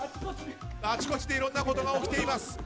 あちこちでいろんなことが起きています。